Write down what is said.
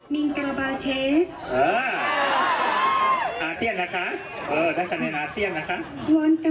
ที่เบอร์สามไงสวัสดีเจ้า